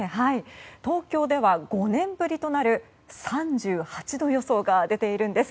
東京では５年ぶりとなる３８度予想が出ているんです。